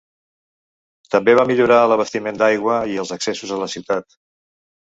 També va millorar l'abastiment d'aigua i els accessos a la ciutat.